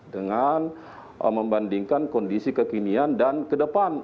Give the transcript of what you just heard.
dengan membandingkan kondisi kekinian dan kedepan